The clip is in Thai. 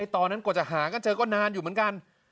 กว่าจะหากันเจอก็นานอยู่เหมือนกัน